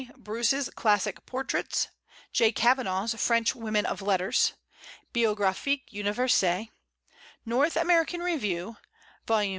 Bruce's Classic Portraits; J. Kavanagh's French Women of Letters; Biographic Universelle; North American Review, vols.